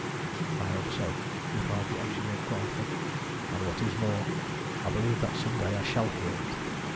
"I hope so," replied the engineer quietly, "and, what is more, I believe that some day I shall hear it."